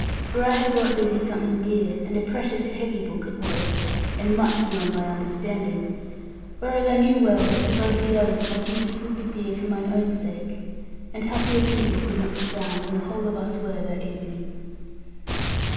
For I had brought Lizzie something dear, and a precious heavy book it was, and much beyond my understanding; whereas I knew well that to both the others my gifts would be dear, for mine own sake. And happier people could not be found than the whole of us were that evening.